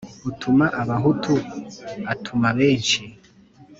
Utuma abahutu atuma benshi.